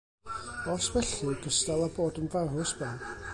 Os felly, gystal â bod yn farw, sbo.